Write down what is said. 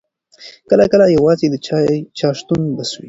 کله کله یوازې د چا شتون بس وي.